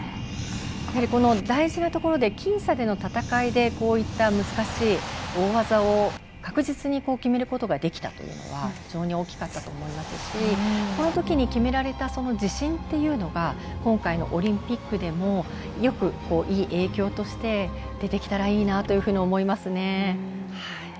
やはり大事なところで僅差での戦いでこうした難しい大技を確実に決めることができたのは非常に大きかったと思いますしこのときに決められた自信というのが今回のオリンピックでもいい影響として出てきたらいいなと思いますね。